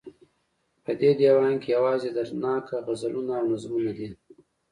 په دې ديوان کې يوازې دردناک غزلونه او نظمونه دي